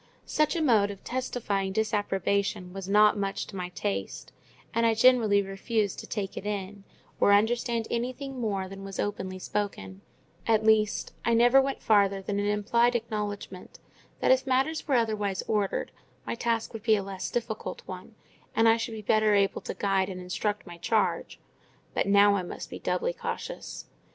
Such a mode of testifying disapprobation was not much to my taste; and I generally refused to take it in, or understand anything more than was openly spoken; at least, I never went farther than an implied acknowledgment that, if matters were otherwise ordered my task would be a less difficult one, and I should be better able to guide and instruct my charge; but now I must be doubly cautious.